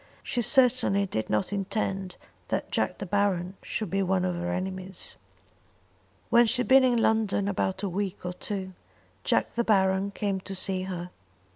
She certainly did not intend that Jack De Baron should be one of her enemies. When she had been in London about a week or two Jack De Baron came to see her.